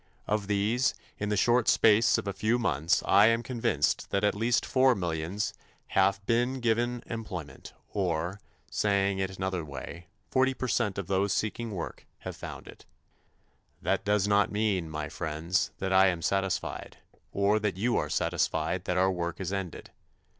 Of these, in the short space of a few months, I am convinced that at least 4 millions have been given employment or, saying it another way, 40 percent of those seeking work have found it. That does not mean, my friends, that I am satisfied, or that you are satisfied that our work is ended.